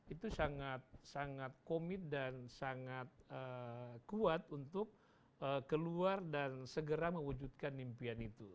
itu sangat sangat komit dan sangat kuat untuk keluar dan segera mewujudkan impian itu